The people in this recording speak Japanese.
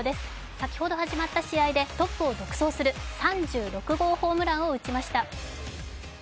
先ほど始まった試合でトップを独走する３６号ホームランを打ちました。